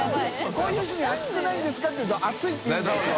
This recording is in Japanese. こういう人に熱くないんですか？」って言うと「熱い」って言うんだよね。